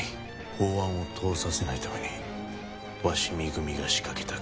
法案を通させないために鷲見組が仕掛けたか。